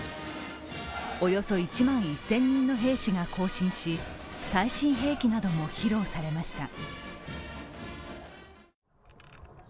およそ１万１０００人の兵士が行進し、最新兵器なども披露されました。